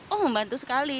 oh membantu sekali